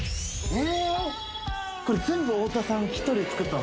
え！